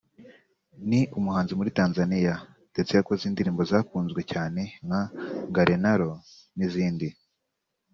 ni umuhanzi muri Tanzania ndetse yakoze indirimbo zakunzwe cyane nka ‘Ngarenaro’ n’izindi